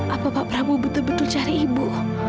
apa pak prabu betul betul cari ibu